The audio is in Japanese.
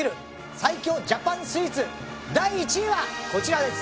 最強ジャパンスイーツ第１位はこちらです。